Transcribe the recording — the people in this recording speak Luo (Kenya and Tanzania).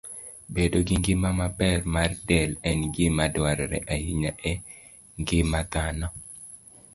Bedo gi ngima maber mar del en gima dwarore ahinya e ngima dhano.